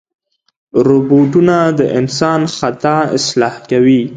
روبوټونه د انسان خطا اصلاح کوي.